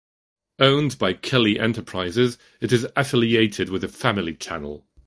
Owned by Kelley Enterprises, it is affiliated with The Family Channel.